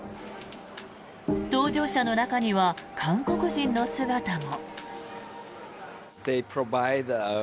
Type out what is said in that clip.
搭乗者の中には韓国人の姿も。